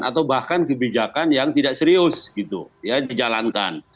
atau bahkan kebijakan yang tidak serius gitu ya dijalankan